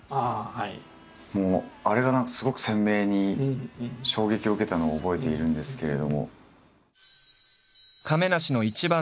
もうあれが何かすごく鮮明に衝撃を受けたのを覚えているんですけれども。